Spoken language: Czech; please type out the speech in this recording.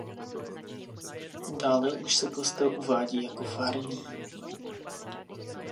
Dále už se kostel uvádí jako farní.